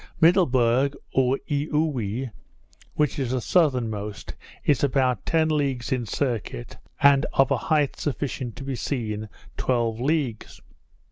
Middleburg, or Eaoowee, which is the southernmost, is about ten leagues in circuit, and of a height sufficient to be seen twelve leagues.